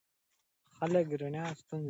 خلک رڼا خوښوي.